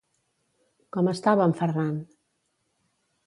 Com estava en Ferran?